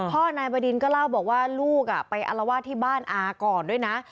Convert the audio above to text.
พ่อนายบดินก็เล่าบอกว่าลูกไปอารวาสที่บ้านอาก่อนด้วยนะ